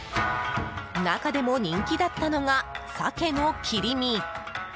中でも人気だったのがサケの切り身。